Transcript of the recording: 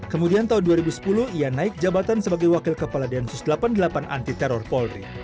kemudian tahun dua ribu sepuluh ia naik jabatan sebagai wakil kepala densus delapan puluh delapan anti teror polri